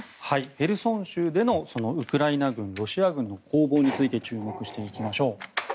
ヘルソン州でのウクライナ軍、ロシア軍の攻防について注目していきましょう。